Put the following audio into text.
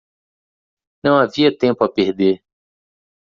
Não havia tempo a perder.